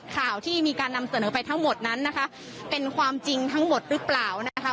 ข่าวที่มีการนำเสนอไปทั้งหมดนั้นนะคะเป็นความจริงทั้งหมดหรือเปล่านะคะ